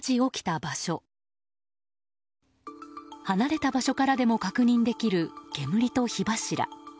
離れた場所からでも確認できる煙と火柱。